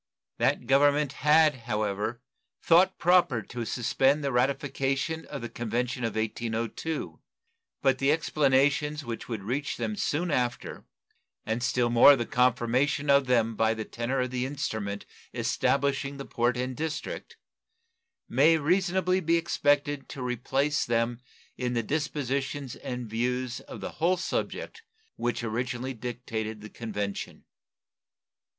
That Government had, however, thought proper to suspend the ratification of the convention of 1802; but the explanations which would reach them soon after, and still more the confirmation of them by the tenor of the instrument establishing the port and district, may reasonably be expected to replace them in the dispositions and views of the whole subject which originally dictated the convention.